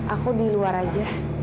aku di luar aja